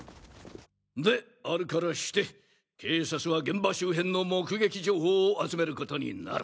であるからして警察は現場周辺の目撃情報を集めることになる。